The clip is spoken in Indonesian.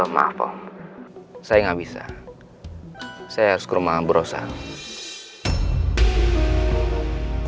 maaf saya nggak bisa saya harus ke rumah berusaha